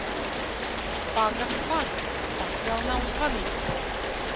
Paga, paga, tas vēl nav zvanīts!